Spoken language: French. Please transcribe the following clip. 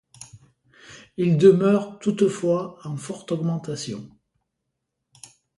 Il demeure toutefois en forte augmentation.